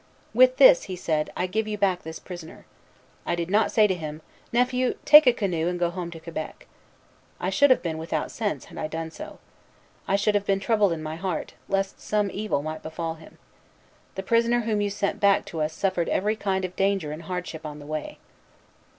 "With this," he said, "I give you back this prisoner. I did not say to him, 'Nephew, take a canoe and go home to Quebec.' I should have been without sense, had I done so. I should have been troubled in my heart, lest some evil might befall him. The prisoner whom you sent back to us suffered every kind of danger and hardship on the way."